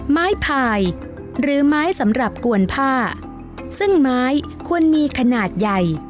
พายหรือไม้สำหรับกวนผ้าซึ่งไม้ควรมีขนาดใหญ่